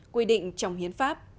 quy định trong hiến pháp